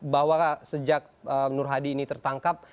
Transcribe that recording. bahwa sejak nur hadi ini tertangkap